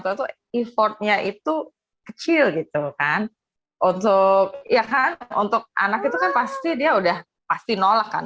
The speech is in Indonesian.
satu importnya itu kecil gitu kan untuk ya kan untuk anak itu pasti dia udah pasti nolakkan